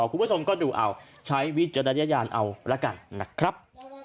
คุณผู้ชมก็ดูเอาใช้วิจารณญาณเอาละกันนะครับ